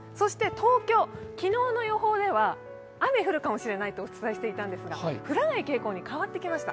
東京は昨日の予報では雨が降るかもしれないとお伝えしていたんですが、降らない傾向に変わってきました。